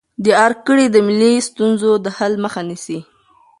د ارګ کړۍ د ملي ستونزو د حل مخه نیسي.